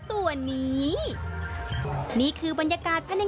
กลายเป็นประเพณีที่สืบทอดมาอย่างยาวนาน